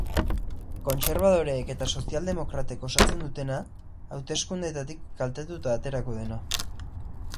Kontserbadoreek eta sozialdemokratek osatzen dutena, hauteskundeetatik kaltetuta aterako dena.